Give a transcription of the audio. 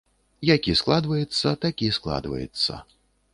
Які складваецца, такі складваецца.